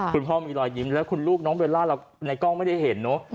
คุณพ่อมีรอยยิ้มแล้วคุณลูกน้องเบลล่าเราในกล้องไม่ได้เห็นเนอะ